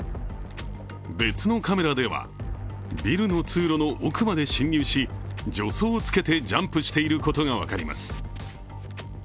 別のカメラでは、ビルの通路の奥まで侵入し、助走をつけてジャンプしていることが分かります。